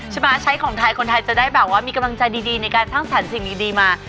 ใช้ของไทยคนไทยจะได้แบบว่ามีกำลังใจดีในการสร้างสรรคสิ่งดีมา